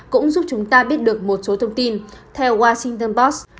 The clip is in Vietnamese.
cũng giúp chúng ta biết được một số thông tin theo washington post